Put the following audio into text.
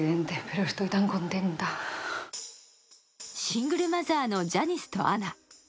シングルマザーのジャニスとアナ。